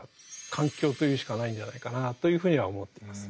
「環境」と言うしかないんじゃないかなというふうには思っています。